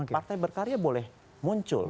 partai berkarya boleh muncul